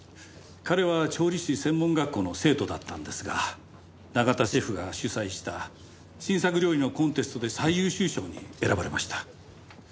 彼は調理師専門学校の生徒だったんですが永田シェフが主催した新作料理のコンテストで最優秀賞に選ばれました。